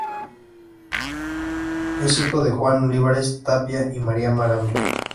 Es hijo de Juan Olivares Tapia y María Marambio.